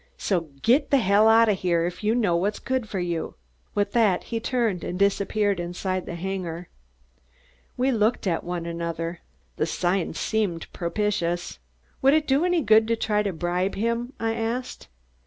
So git t' hell out o' here if you know what's good for you!" With that he turned and disappeared inside the hangar. We looked at one another. The signs seemed propitious. "Would it do any good to try to bribe him?" I asked.